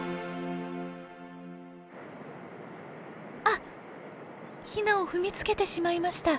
あっヒナを踏みつけてしまいました。